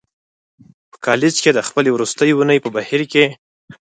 په کالج کې د خپلې وروستۍ اونۍ په بهير کې.